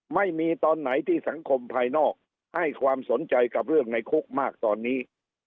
ไม่มีตอนไหนที่สังคมภายนอกให้ความสนใจกับเรื่องในคุกมากตอนนี้